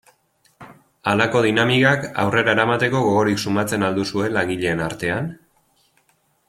Halako dinamikak aurrera eramateko gogorik sumatzen al duzue langileen artean?